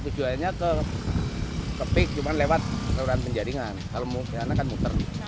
tujuannya ke pik cuma lewat perjalanan penjaringan kalau mau ke sana kan muter